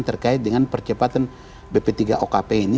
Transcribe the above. terkait dengan percepatan bp tiga okp ini